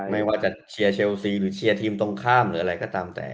ไม่ว่าจะเชียร์เชลซีหรือเชียร์ทีมตรงข้ามหรืออะไรก็ตามแต่